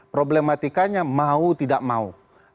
problematikanya mau tidak mau